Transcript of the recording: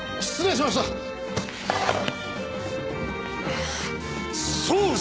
失礼しました！